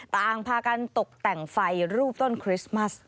ต่างพากันตกแต่งไฟรูปต้นคริสต์มัส